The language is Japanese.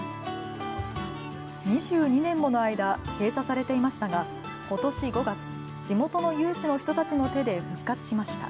２２年もの間、閉鎖されていましたが、ことし５月、地元の有志の人たちの手で復活しました。